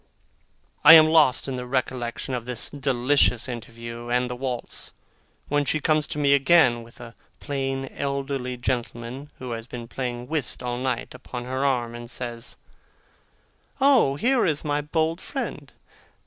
I am lost in the recollection of this delicious interview, and the waltz, when she comes to me again, with a plain elderly gentleman who has been playing whist all night, upon her arm, and says: 'Oh! here is my bold friend!